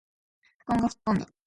布団が吹っ飛んだ